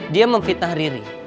dia memfitnah ri